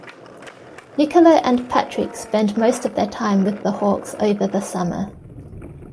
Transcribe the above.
Nicola and Patrick spend most of their time with the hawks over the summer.